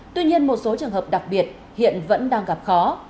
tuy nhiên một số trường hợp đặc biệt hiện vẫn đang gặp khó